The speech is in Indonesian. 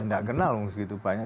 nggak kenal loh segitu banyak